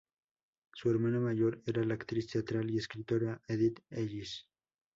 Su hermana mayor era la actriz teatral y escritora Edith Ellis.